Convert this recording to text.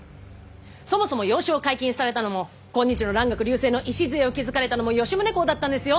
そもそも洋書を解禁されたのも今日の蘭学隆盛の礎を築かれたのも吉宗公だったんですよ。